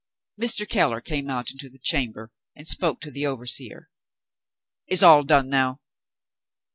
Mr. Keller came out into the chamber, and spoke to the overseer. "Is all done now?"